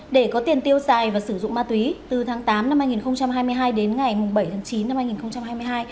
để có tiền tiêu xài và sử dụng ma túy từ tháng tám năm hai nghìn hai mươi hai đến ngày bảy tháng chín năm hai nghìn hai mươi hai